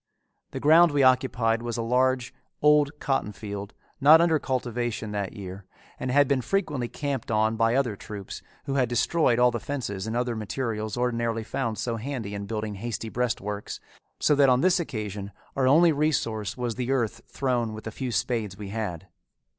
The ground we occupied was a large old cottonfield not under cultivation that year, and had been frequently camped on by other troops who had destroyed all the fences and other materials ordinarily found so handy in building hasty breastworks, so that on this occasion our only resource was the earth thrown with the few spades we had.